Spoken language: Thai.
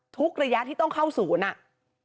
ทุกระยะที่ต้องเข้าศูนย์